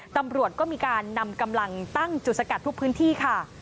ตำรวจก็มีการนำกำลังตั้งจุดสกัดทุกพื้นที่ค่ะ